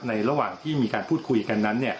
ระหว่างที่มีการพูดคุยกันนั้น